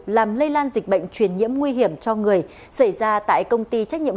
làm lây lan dịch bệnh truyền nhiễm nguy hiểm cho người xảy ra tại công ty trách nhiệm